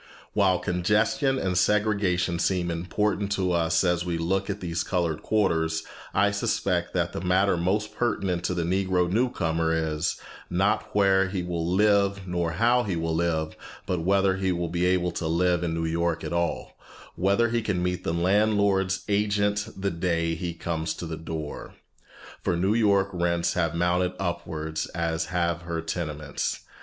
While congestion and segregation seem important to us as we look at these colored quarters, I suspect that the matter most pertinent to the Negro new comer is, not where he will live nor how he will live, but whether he will be able to live in New York at all, whether he can meet the landlord's agent the day he comes to the door. For New York rents have mounted upwards as have her tenements.